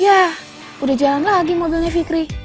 ya udah jalan lagi mobilnya fikri